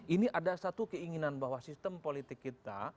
ini ada satu keinginan bahwa sistem politik kita